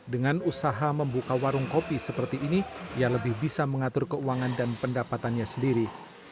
dengan usaha membuka warung kopi seperti ini ia lebih bisa mengatur keuangan dan pendapatannya sendiri